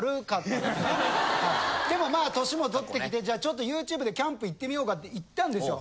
でもまあ年も取ってきてちょっとＹｏｕＴｕｂｅでキャンプ行ってみようかって行ったんですよ。